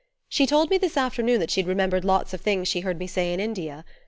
"She told me this afternoon that she'd remembered lots of things she heard me say in India.